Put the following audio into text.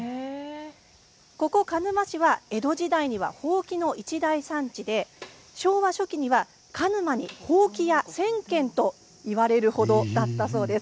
ここ鹿沼市は江戸時代にはほうきの一大産地で昭和初期には鹿沼にほうき屋千軒と言われる程だったそうです。